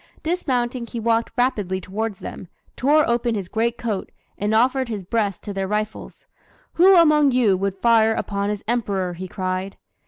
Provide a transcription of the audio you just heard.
Dismounting, he walked rapidly toward them, tore open his great coat, and offered his breast to their rifles. "Who among you would fire upon his Emperor?" he cried.